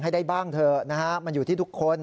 ให้ได้บ้างเถอะนะฮะมันอยู่ที่ทุกคน